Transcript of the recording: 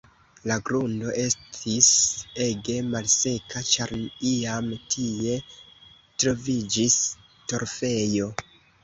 La grundo estis ege malseka, ĉar iam tie troviĝis torfejo.